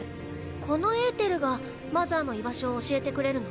このエーテルがマザーの居場所を教えてくれるの？